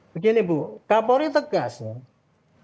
begini bu kapolri tegas ya